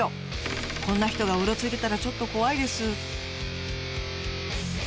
こんな人がうろついてたらちょっと怖いです。